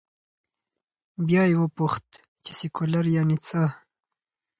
بیا یې وپوښت، چې سیکولر یعنې څه؟